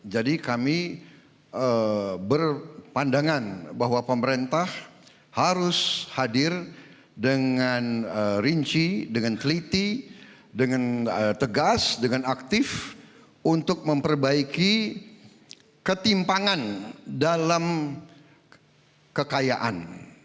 jadi kami berpandangan bahwa pemerintah harus hadir dengan rinci dengan teliti dengan tegas dengan aktif untuk memperbaiki ketimpangan dalam kekayaan